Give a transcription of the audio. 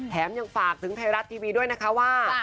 ยังฝากถึงไทยรัฐทีวีด้วยนะคะว่า